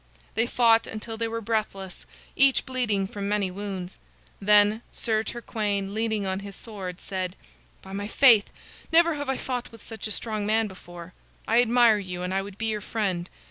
They fought until they were breathless, each bleeding from many wounds. Then Sir Turquaine, leaning on his sword, said: "By my faith, never have I fought with such a strong man before. I admire you, and I would be your friend.